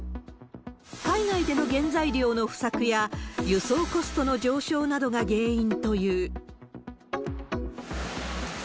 海外での原材料の不作や、輸送コストの上昇などが原因という。